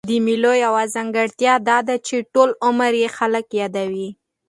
د مېلو یوه ځانګړتیا دا ده، چي ټول عمر ئې خلک يادوي.